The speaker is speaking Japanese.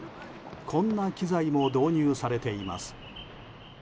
こんな機材も導入されています。